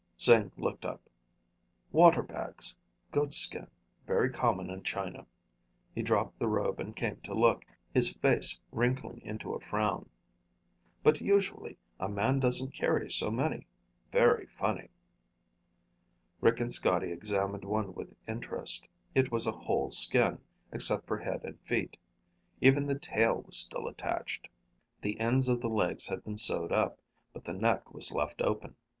Sing looked up. "Water bags. Goatskin. Very common in China." He dropped the robe and came to look, his face wrinkling into a frown. "But usually a man doesn't carry so many. Very funny." Rick and Scotty examined one with interest. It was a whole skin, except for head and feet. Even the tail was still attached. The ends of the legs had been sewed up, but the neck was left open.